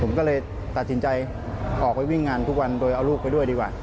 ผมก็เลยตัดสินใจออกไปวิ่งงานทุกวันโดยเอาลูกไปด้วยดีกว่า